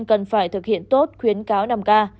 cần phải thực hiện tốt khuyến cáo năm k